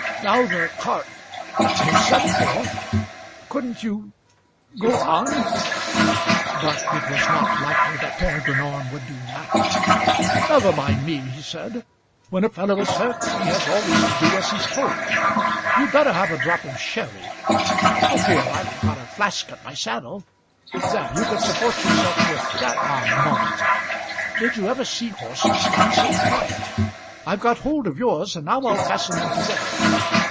"Now the cart is sent for, couldn't you go on?" But it was not likely that Peregrine Orme would do that. "Never mind me," he said. "When a fellow is hurt he has always to do as he's told. You'd better have a drop of sherry. Look here: I've got a flask at my saddle. There; you can support yourself with that arm a moment. Did you ever see horses stand so quiet. I've got hold of yours, and now I'll fasten them together.